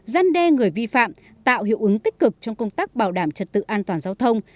giăn đe người vi phạm tạo hiệu ứng tích cực trong công tác bảo đảm trật tự an toàn giao thông